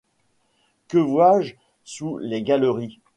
Que vois-je sous les galeries ?…